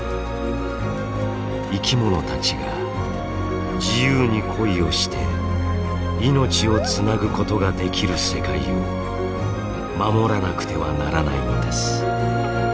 生きものたちが自由に恋をして命をつなぐことができる世界を守らなくてはならないのです。